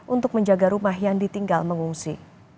untuk menjaga rumah yang ditinggal mengungsi